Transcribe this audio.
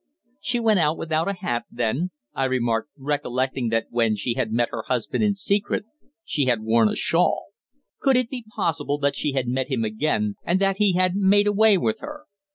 "She went out without a hat, then?" I remarked, recollecting that when she had met her husband in secret she had worn a shawl. Could it be possible that she had met him again, and that he had made away with her?